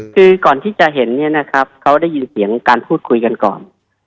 คือก่อนที่จะเห็นเนี่ยนะครับเขาได้ยินเสียงการพูดคุยกันก่อน